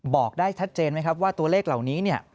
บอกได้ชัดเจนไหมครับว่าตัวเลขเหล่านี้เนี่ย